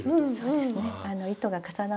そうですね